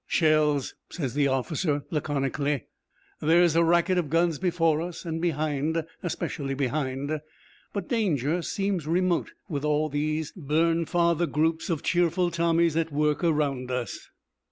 'Shells,' says the officer laconically. There is a racket of guns before us and behind, especially behind, but danger seems remote with all these Bairnfather groups of cheerful Tommies at work around us.